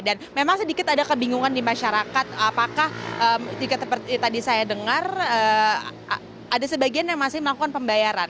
dan memang sedikit ada kebingungan di masyarakat apakah seperti tadi saya dengar ada sebagian yang masih melakukan pembayaran